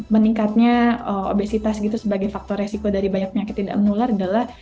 meningkatnya obesitas gitu sebagai faktor resiko dari banyak penyakit tidak menular adalah